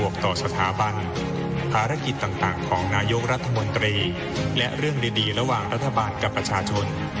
กับประชาชน